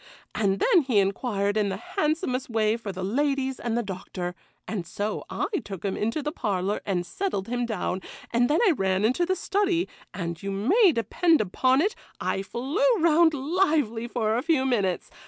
And then he inquired in the handsomest way for the ladies and the Doctor, and so I took him into the parlour and settled him down, and then I ran into the study, and you may depend upon it I flew round lively for a few minutes.